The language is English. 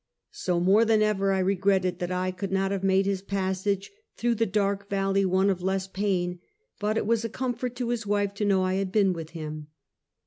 So, more than ever, I regretted that I could not have made his passage through the dark valley one of less pain; but it was a comfort to his wife to know I had been with him.